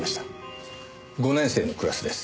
５年生のクラスです。